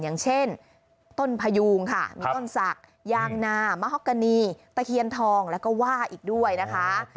อย่างเช่นต้นพยูงค่ะมีต้นศักดิ์ยางนามฮอกกณีตะเคียนทองแล้วก็ว่าอีกด้วยนะคะ